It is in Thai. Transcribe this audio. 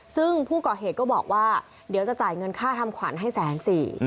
ซึ่งผู้ก่อเหตุก็บอกว่าเดี๋ยวจะจ่ายเงินค่าทำขวัญให้แสนสี่